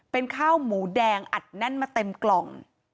เป็นข้าวหมูแดงอัดแน่นมาเต็มกล่อง